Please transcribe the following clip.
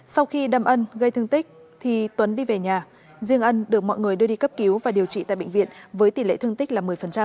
sau khi đâm ân gây thương tích thì tuấn đi về nhà riêng ân được mọi người đưa đi cấp cứu và điều trị tại bệnh viện với tỷ lệ thương tích là một mươi